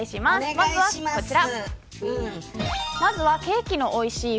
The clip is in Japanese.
まずはこちら。